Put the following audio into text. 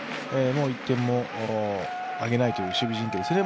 もう１点もあげないという守備陣ですね。